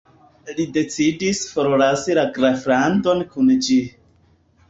Li decidis forlasi la Graflandon kun ĝi.